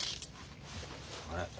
あれ？